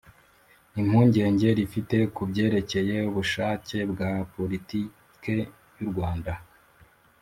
impungenge rifite ku byerekeye ubushake bwa politike y'u rwanda